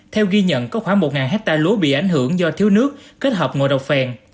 theo ghi nhận có khoảng một hectare lúa bị ảnh hưởng do thiếu nước kết hợp ngồi độc phèn